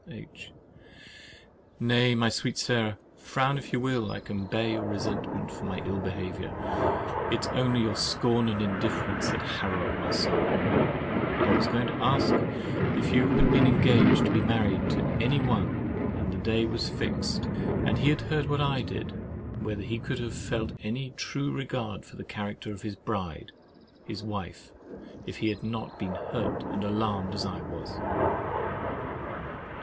H. Nay, my sweet Sarah (frown if you will, I can bear your resentment for my ill behaviour, it is only your scorn and indifference that harrow up my soul)—but I was going to ask, if you had been engaged to be married to any one, and the day was fixed, and he had heard what I did, whether he could have felt any true regard for the character of his bride, his wife, if he had not been hurt and alarmed as I was?